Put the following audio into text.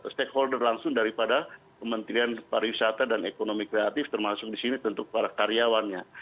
stakeholder langsung daripada kementerian pariwisata dan ekonomi kreatif termasuk di sini tentu para karyawannya